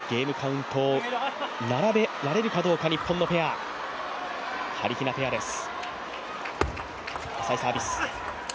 ここをしっかりと取ってゲームカウントを並べられるかどうか日本のペア、はりひなペアです。